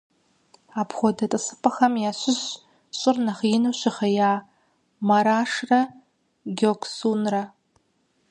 Апхуэдэ тӀысыпӀэхэм ящыщщ щӀыр нэхъ ину щыхъея Марашрэ Гёксунрэ.